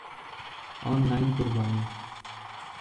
on line قربانی